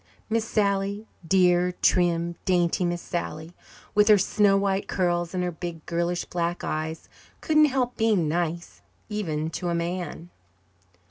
Miss Sally, dear, trim, dainty Miss Sally, with her snow white curls and her big girlish black eyes, couldn't help being nice, even to a man.